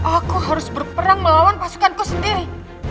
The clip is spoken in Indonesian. aku harus berperang melawan pasukanku sendiri